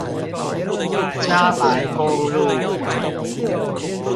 嘉白公路